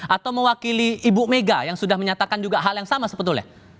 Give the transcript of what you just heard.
atau mewakili ibu mega yang sudah menyatakan juga hal yang sama sebetulnya